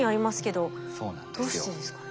どうしてですかね？